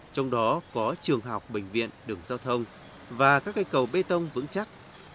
trong đó có trường học bệnh viện đường giao thông và các cây cầu bê tông vững chắc